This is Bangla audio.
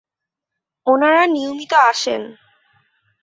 ওনারা নিয়মিত আসেন।